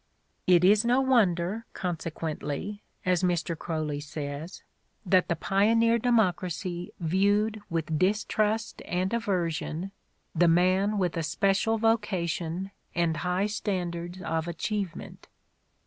" It is no wonder, consequently, '' as Mr. Croly says, "that the pioneer democracy viewed with distrust and aversion the man with a special vocation and high stand ards of achievement."